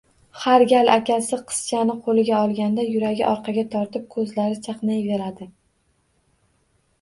Har gal akasi qizchani qo`liga olganda yuragi orqaga tortib, ko`zlari chaqnayveradi